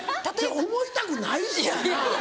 思いたくないしやな。